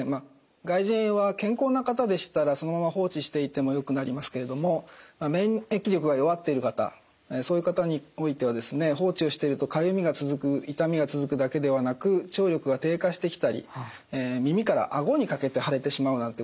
外耳炎は健康な方でしたらそのまま放置していてもよくなりますけれども免疫力が弱っている方そういう方においては放置をしているとかゆみが続く痛みが続くだけではなく聴力が低下してきたり耳から顎にかけて腫れてしまうなんてこともありえます。